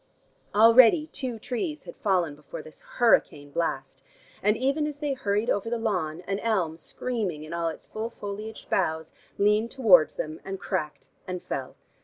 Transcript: Already two trees had fallen before this hurricane blast, and even as they hurried over the lawn, an elm, screaming in all its full foliaged boughs, leaned towards them, and cracked and fell.